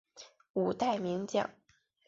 五代名将。